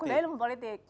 kuliahnya ilmu politik